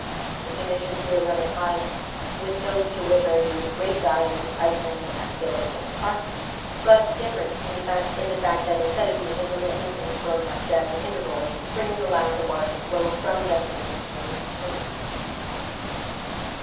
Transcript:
The conditions here were of a kind with those to which are due the great geysers of Iceland and the Yellowstone Park, but different in the fact that instead of being intermittent and throwing up jets at intervals, the springs allowed the water to flow from them in a continuous stream.